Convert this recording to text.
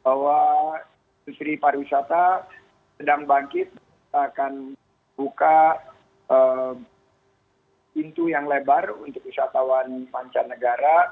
bahwa industri pariwisata sedang bangkit kita akan buka pintu yang lebar untuk wisatawan mancanegara